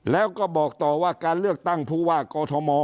แล้วก็บอกต่อว่าการเลือกตั้งผู้ว่ากอทม